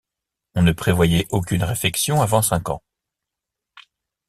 On ne prévoyait aucune réfection avant cinq ans.